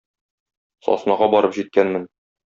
Саснага барып җиткәнмен.